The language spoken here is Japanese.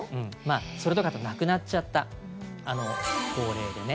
それとか亡くなっちゃった、高齢でね。